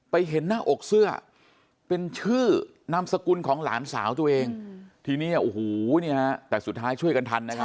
เห็นหน้าอกเสื้อเป็นชื่อนามสกุลของหลานสาวตัวเองทีนี้โอ้โหเนี่ยฮะแต่สุดท้ายช่วยกันทันนะครับ